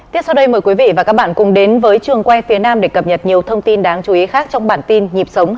tiếp sau đây mời quý vị và các bạn cùng đến với trường quay phía nam để cập nhật nhiều thông tin đáng chú ý khác trong bản tin nhịp sống hai mươi bốn trên bảy